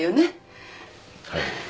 はい。